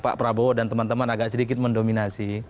pak prabowo dan teman teman agak sedikit mendominasi